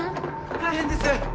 大変です！